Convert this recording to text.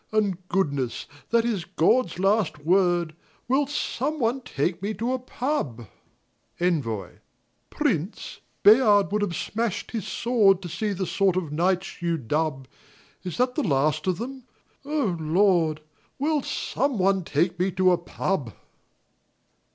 And goodness, that is Qod's last word — Will someone take me to a pub 9 ENVOI Prince, Bayard would have smashed his sword To see the sort of knights you dub — Is that the last of them — O Lord ! Will someone take me to a pub?